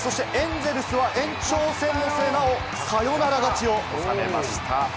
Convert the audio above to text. そしてエンゼルスは延長戦の末、サヨナラ勝ちを収めました。